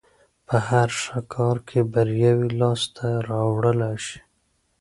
په هر ښه کار کې برياوې لاس ته راوړلای شي.